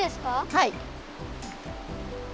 はい。